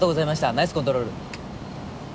ナイスコントロール。